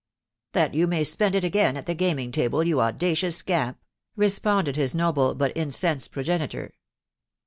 " That you may spend it again at the gaming table, you audacious scamp !" responded his noble but incensed pro genitor.